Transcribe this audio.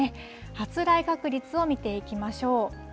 発雷確率を見ていきましょう。